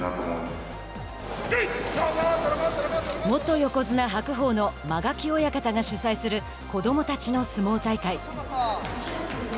元横綱・白鵬の間垣親方が主催する子どもたちの相撲大会。